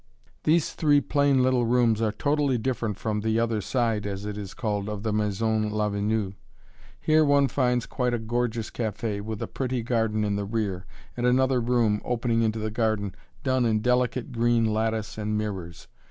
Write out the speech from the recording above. These three plain little rooms are totally different from the "other side," as it is called, of the Maison Lavenue. Here one finds quite a gorgeous café, with a pretty garden in the rear, and another room opening into the garden done in delicate green lattice and mirrors.